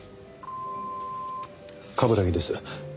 冠城です。